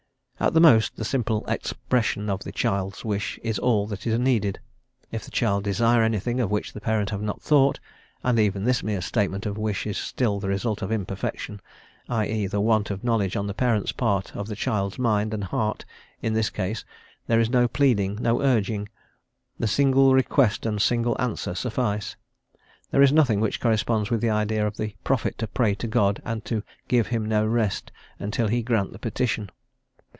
At the most, the simple expression of the child's wish is all that is needed, if the child desire anything of which the parent have not thought; and even this mere statement of a wish is still the result of imperfection, i e., the want of knowledge on the parent's part of the child's mind and heart In this case there is no pleading, no urging; the single request and single answer suffice; there is nothing which corresponds with the idea of the prophet to pray to God and to "give him no rest" until he grant the petition.